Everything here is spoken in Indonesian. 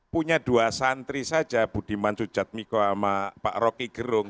punya dua santri saja budiman sujatmiko sama pak rocky gerung